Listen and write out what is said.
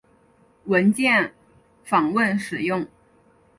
文件访问使用。